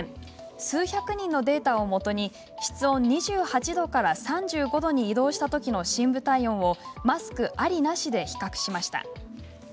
数百人のデータをもとに室温２８度から３５度に移動したときの深部体温をマスクあり、なしで比較しました。